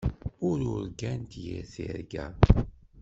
Ur urgant yir tirga.